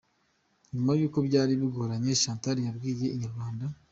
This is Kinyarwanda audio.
Nyuma yuko byari bigoranye Chantal yabwiye Inyarwanda.